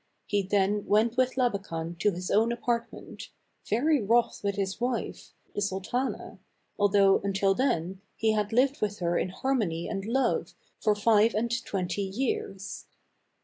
He then went with Labakan to his own apartment, very wroth with his wife, the sultana, although, until then, he had lived with her in harmony and love for five and twenty years.